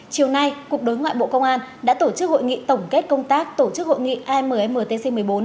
chiều nay cục đối ngoại bộ công an đã tổ chức hội nghị tổng kết công tác tổ chức hội nghị ammtc một mươi bốn